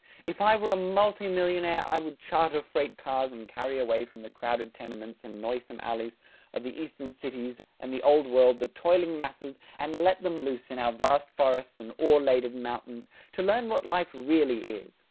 If I were a multi millionaire I would charter freight cars and carry away from the crowded tenements and noisome alleys of the eastern cities and the Old World the toiling masses, and let them loose in our vast forests and ore laden mountains to learn what life really is!"